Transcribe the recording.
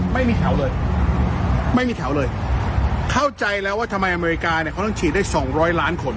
ไม่มีแถวเลยไม่มีแถวเลยเข้าใจแล้วว่าทำไมอเมริกาเนี่ย